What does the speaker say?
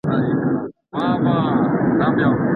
د انځورګر له خوبو جوړه ماڼۍ